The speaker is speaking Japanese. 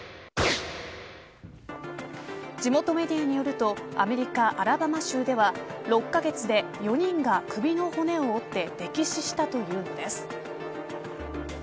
地元メディアによるとアメリカ、アラバマ州では６カ月で４人が、首の骨を折って溺死したというのです。